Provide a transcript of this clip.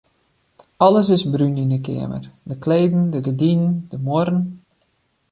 Alles is brún yn 'e keamer: de kleden, de gerdinen, de muorren.